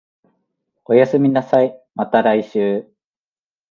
おやすみなさい、また来週